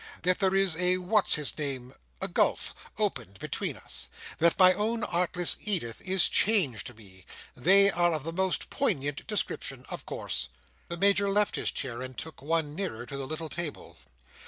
That there is a what's his name—a gulf—opened between us. That my own artless Edith is changed to me! They are of the most poignant description, of course." The Major left his chair, and took one nearer to the little table.